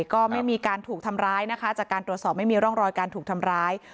ก็ไม่มีการถูกทำร้ายนะคะจากการตรวจสอบไม่มีร่องรอยการถูกทำร้าย